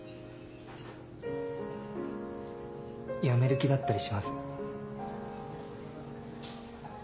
辞める気だったりします？